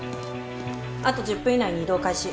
あと１０分以内に移動開始。